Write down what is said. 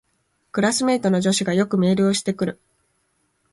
クラスメイトの女子がよくメールをしてくる